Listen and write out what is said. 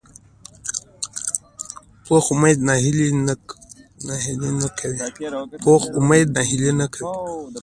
پوخ امید ناهیلي نه کوي